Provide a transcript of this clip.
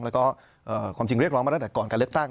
แล้วก็ความจริงเรียกร้องมาตั้งแต่ก่อนการเลือกตั้ง